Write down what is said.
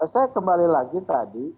saya kembali lagi tadi